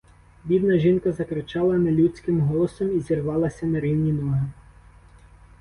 Бідна жінка закричала нелюдським голосом і зірвалася на рівні ноги.